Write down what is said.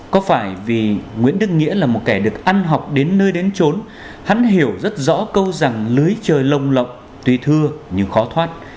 có phải vì nguyễn đức nghĩa là một kẻ được ăn học đến nơi đến trốn hắn hiểu rất rõ câu rằng lưới trời lồng lộng tùy thưa nhưng khó thoát